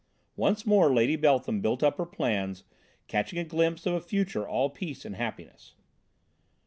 Once more Lady Beltham built up her plans, catching a glimpse of a future all peace and happiness.